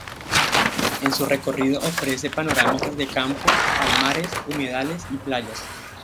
En su recorrido ofrece panorámicas de campo, palmares, humedales y playas.